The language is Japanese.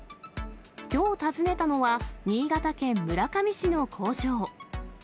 きょう訪ねたのは、新潟県村上市の工場。